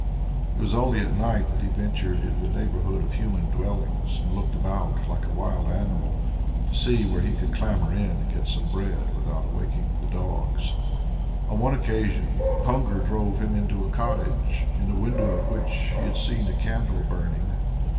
It was only at night that he ventured into the neighbourhood of human dwellings, and looked about, like a wild animal, to see where he could clamber in, and get some bread without awaking the dogs. On one occasion hunger drove him into a cottage in the window of which he had seen a candle burning.